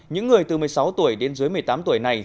những người từ một mươi sáu tuổi đến dưới một mươi tám tuổi này